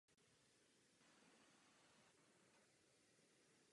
Téměř vzápětí také začala perzekuce ze strany státu.